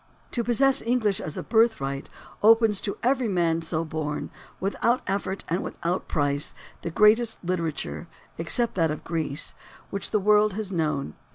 To possess English as a birthright opens to every man so born, without effort and without price, the greatest literature, except that of Greece, which the world has known.